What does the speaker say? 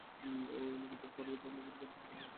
অনেক ক্ষেত্রেই তথাকথিত অলৌকিক ঘটনাগুলি অনুকরণমাত্র।